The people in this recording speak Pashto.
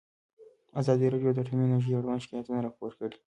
ازادي راډیو د اټومي انرژي اړوند شکایتونه راپور کړي.